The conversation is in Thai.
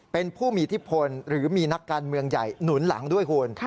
เป็นผู้มีอิทธิพลหรือมีนักการเมืองใหญ่หนุนหลังด้วยคุณ